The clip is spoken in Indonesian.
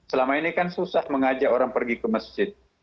selama ini kan susah mengajak orang pergi ke masjid